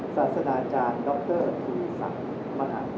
สวัสดีครับสวัสดีครับสวัสดีครับสวัสดีครับ